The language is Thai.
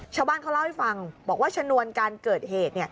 ชาวบ้านเขาเล่าให้ฟังบอกว่าชนวนการเกิดเหตุ